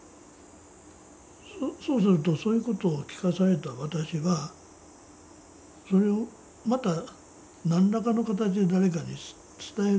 そうするとそういうことを聞かされた私はそれをまた何らかの形で誰かに伝える責任がある。